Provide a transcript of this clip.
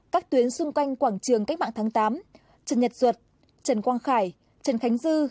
các tuyến xung quanh quảng trường cách mạng tháng tám trần nhật duật trần quang khải trần khánh dư